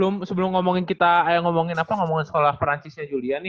ini sebelum ngomongin kita ngomongin apa ngomongin sekolah perancisnya julia nih